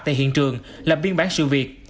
tại hiện trường làm biên bản sự việc